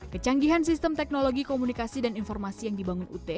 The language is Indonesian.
kecanggihan sistem teknologi komunikasi dan informasi yang dibangun ut